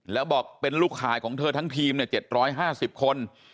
แล้วบอกเป็นลูกขายของเธอทั้งทีม๗๕๐คน